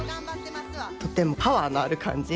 とてもパワーのある感じ。